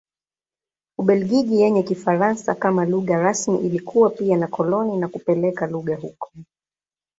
Ubelgiji yenye Kifaransa kama lugha rasmi ilikuwa pia na koloni na kupeleka lugha huko.